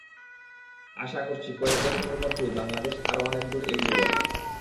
আশা করছি, কয়েক বছরের মধ্যেই বাংলাদেশ আরও অনেক দূর এগিয়ে যাবে।